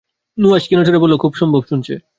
নুহাশ ক্ষীণ স্বরে বলল, খুব সম্ভব শুনছে।